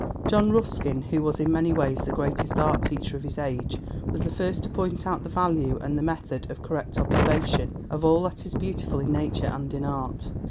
] John Ruskin, who was in many ways the greatest art teacher of his age, was the first to point out the value and the method of correct observation of all that is beautiful in nature and in art.